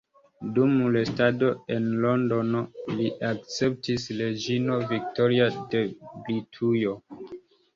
Dum restado en Londono lin akceptis reĝino Viktoria de Britujo.